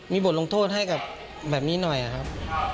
มีบทลงโทษให้กับแบบนี้หน่อยครับ